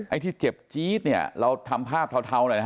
ไอ้ที่เจ็บจี๊ดเนี่ยเราทำภาพเทาหน่อยนะฮะ